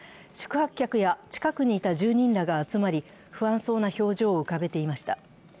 宿泊客や近くにいた住人らが集まり不安そうな表情を浮かべていました。